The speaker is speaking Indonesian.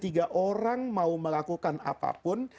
tiga orang mau melakukan apapun